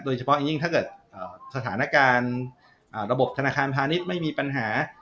โดยเฉพาะอย่างยิ่งถ้าเกิดสถานการณ์ระบบธนาคารพาณิชย์ไม่มีปัญหา